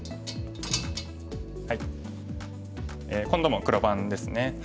今度も黒番ですね。